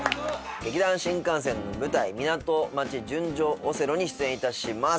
劇団☆新感線の舞台『ミナト町純情オセロ』に出演いたします。